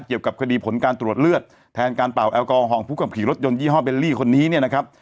เกี่ยวกับคดีผลการตรวจเลือดแทนการเป่าแอลกอลของผู้ขับขี่รถยนยี่ห้อเบลลี่คนนี้เนี่ยนะครับ